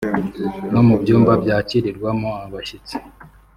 no mu byumba byakirirwamo abashyitsi